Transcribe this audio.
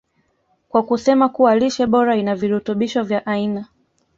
kwa kusema kuwa lishe bora ina virutubisho vya aina